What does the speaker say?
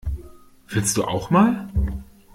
Willst du auch mal?